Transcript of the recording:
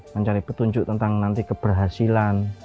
mencari petunjuk tentang nanti keberhasilan